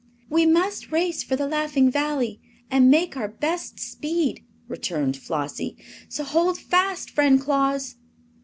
"We must race for the Laughing Valley and make our best speed," returned Flossie; "so hold fast, friend Claus!"